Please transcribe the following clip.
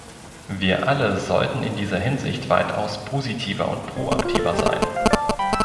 Wir alle sollten in dieser Hinsicht weitaus positiver und proaktiver sein.